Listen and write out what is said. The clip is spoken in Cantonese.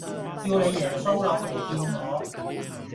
叫你耶穌落嚟見我